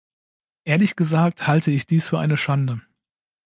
Ehrlich gesagt, halte ich dies für eine Schande.